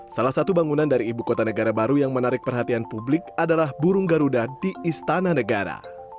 salah satu bangunan dari ibu kota negara baru yang menarik perhatian publik adalah burung garuda di istana negara